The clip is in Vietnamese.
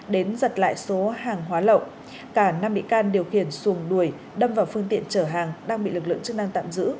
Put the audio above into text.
đến giật lại số hàng hóa lậu cả năm bị can điều khiển xuồng đuổi đâm vào phương tiện chở hàng đang bị lực lượng chức năng tạm giữ